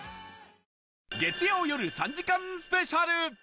月曜よる３時間スペシャル